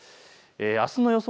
あすの予想